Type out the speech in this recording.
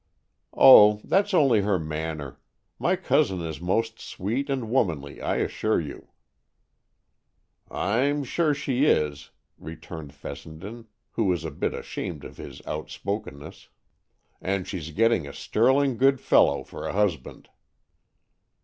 "Oh, that's only her manner. My cousin is most sweet and womanly, I assure you." "I'm sure she is," returned Fessenden, who was a bit ashamed of his outspokenness; "and she's getting a sterling good fellow for a husband."